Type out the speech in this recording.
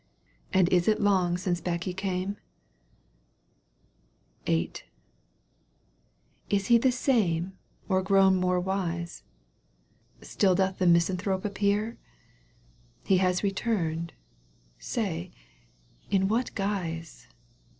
"And is it long since back he came ? VIIL ^" Is he the same or grown more wise ?' Still doth the misanthrope appear ? He has returned, say in what guise